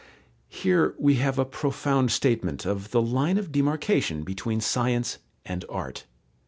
Here we have a profound statement of the line of demarcation between science and art.